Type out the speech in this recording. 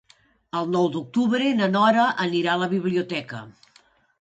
El nou d'octubre na Nora anirà a la biblioteca.